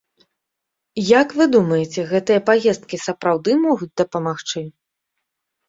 Як вы думаеце, гэтыя паездкі сапраўды могуць дапамагчы?